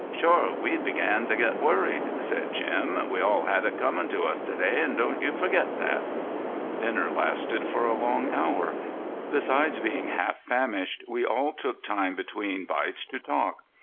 "Shore, we'd began to get worried," said Jim. "We all had it comin' to us to day, and don't you forget that." Dinner lasted for a long hour. Besides being half famished we all took time between bites to talk.